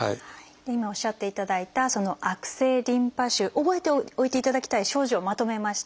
今おっしゃっていただいたその悪性リンパ腫覚えておいていただきたい症状をまとめました。